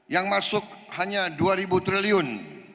yang masuk hanya rp dua triliun